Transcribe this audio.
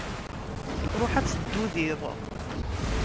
Ṛuḥ ad teddudiḍ!